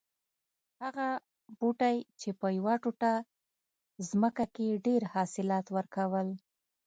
هغه بوټی چې په یوه ټوټه ځمکه کې یې ډېر حاصلات ور کول